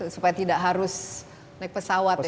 supaya tidak harus naik pesawat ya